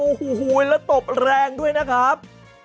โอ้โหแล้วตบแรงด้วยนะครับ